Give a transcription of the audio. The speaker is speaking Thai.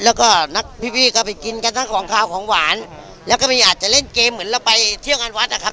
แล้วก็นักพี่พี่ก็ไปกินกันทั้งของขาวของหวานแล้วก็ไม่อาจจะเล่นเกมเหมือนเราไปเที่ยวงานวัดนะครับ